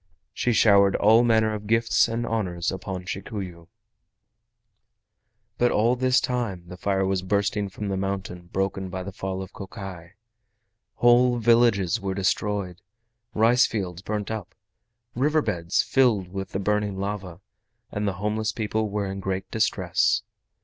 She showered all manner of gifts and honors upon Shikuyu. But all this time fire was bursting from the mountain broken by the fall of Kokai. Whole villages were destroyed, rice fields burnt up, river beds filled with the burning lava, and the homeless people were in great distress.